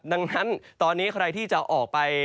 ดังนั้นตอนนี้ใครที่จะออกไป